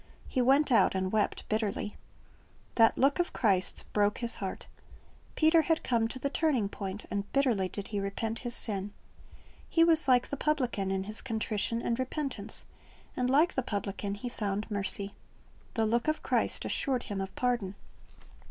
He went out and wept bitterly. That look of Christ's broke his heart. Peter had come to the turning point, and bitterly did lie repent his sin. He was like the publican in his contrition and repentance, and like the publican he found mercy. The look of Christ assured him of pardon.